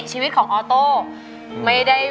ชีวิตของออโต้ไม่ได้